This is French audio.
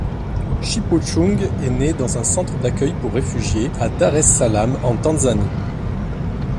Chipo Chung est née dans un centre d'accueil pour réfugiés à Dar-es-Salaam, en Tanzanie.